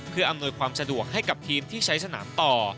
เพื่ออำนวยความสะดวกให้กับทีมที่ใช้สนามต่อ